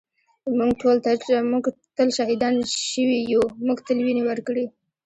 ًٍمونږ تل شهیدان شوي یُو مونږ تل وینې ورکــــړي